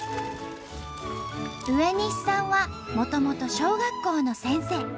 植西さんはもともと小学校の先生。